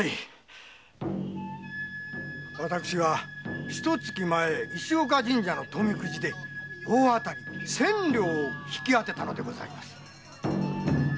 私はひと月前の石岡神社の富籤で大当たり千両を当てたのでございます。